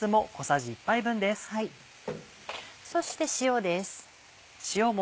そして塩です。